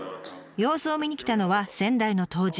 様子を見に来たのは先代の杜氏。